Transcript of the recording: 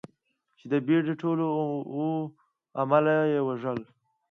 چې د بېړۍ ټول اووه عمله یې ووژل.